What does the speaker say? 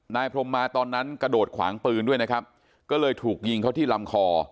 พรมมาตอนนั้นกระโดดขวางปืนด้วยนะครับก็เลยถูกยิงเขาที่ลำคอ